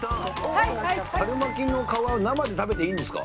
春巻きの皮生で食べていいんですか？